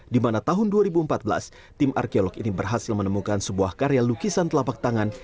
di mana tahun dua ribu empat belas tim arkeolog ini berhasil menemukan sebuah karya lukisan telapak tangan